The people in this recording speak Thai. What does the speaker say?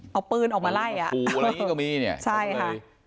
เอาปืนออกมาไล่